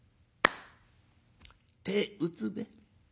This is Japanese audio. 「手打つべ。